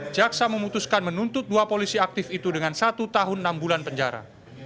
jaksa memutuskan menuntut dua polisi aktif itu dengan satu tahun enam bulan penjara